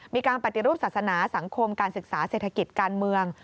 มีการปฏิรูปศาสนาสังคมการศึกษาเศรษฐกิจการเมือง